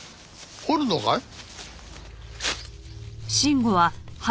掘るのかい？